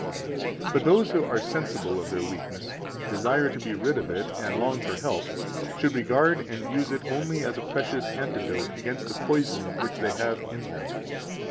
70 But those who are sensible of their weakness, desire to be rid of it and long for help, should regard and use it only as a precious antidote against the poison which they have in them.